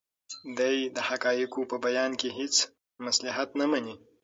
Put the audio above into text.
دی د حقایقو په بیان کې هیڅ مصلحت نه مني.